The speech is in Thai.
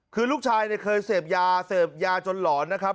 คือลูกชายเนี่ยเคยเสพยาเสพยาจนหลอนนะครับ